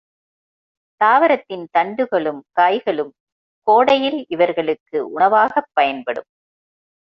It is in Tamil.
தாவரத்தின் தண்டுகளும் காய்களும் கோடையில் இவர்களுக்கு உணவாகப் பயன்படும்.